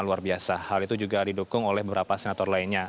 luar biasa hal itu juga didukung oleh beberapa senator lainnya